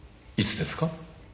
いつですか？